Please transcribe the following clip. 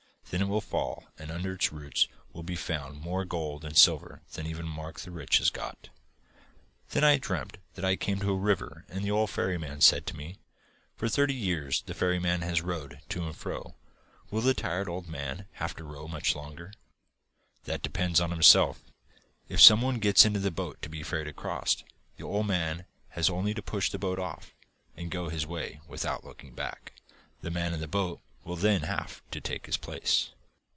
Then it will fall, and under its roots will be found more gold and silver than even Mark the Rich has got.' 'Then I dreamt I came to a river, and the old ferryman said to me: "For thirty year's the ferryman has rowed to and fro. Will the tired old man have to row much longer?"' 'That depends on himself. If some one gets into the boat to be ferried across, the old man has only to push the boat off, and go his way without looking back. The man in the boat will then have to take his place.